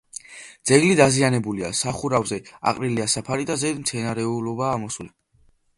ძეგლი დაზიანებულია: სახურავზე აყრილია საფარი და ზედ მცენარეულობაა ამოსული.